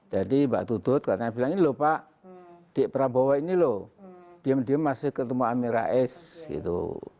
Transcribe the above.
jadi mbak tutut katanya bilang ini lho pak di prabowo ini loh diem diem masih ketemu amir rais gitu